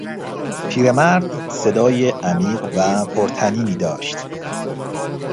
پیرمرد صدای عمیق و پرطنینی داشت.